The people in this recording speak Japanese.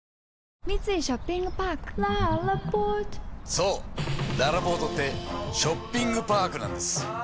そうららぽーとってショッピングパークなんです。